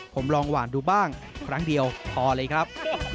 ผมลองหวานดูบ้างครั้งเดียวพอเลยครับ